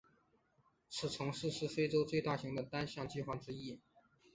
此城市是非洲最大型的单项计划之一。